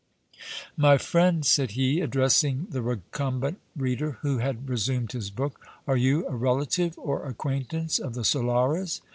"My friend," said he, addressing the recumbent reader, who had resumed his book, "are you a relative or acquaintance of the Solaras?"